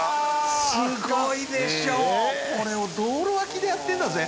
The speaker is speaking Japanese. すごいでしょこれを道路脇でやってんだぜ？